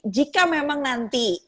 jika memang nanti